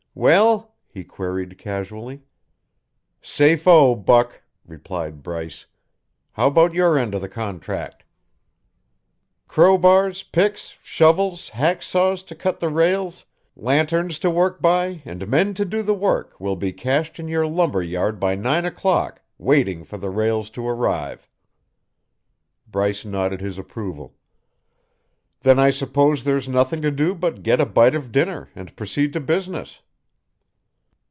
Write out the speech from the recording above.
"Well?" he queried casually. "Safe o, Buck!" replied Bryce. "How about your end of the contract?" "Crowbars, picks, shovels, hack saws to cut the rails, lanterns to work by, and men to do the work will be cached in your lumber yard by nine o'clock, waiting for the rails to arrive." Bryce nodded his approval, "Then I suppose there's nothing to do but get a bite of dinner and proceed to business."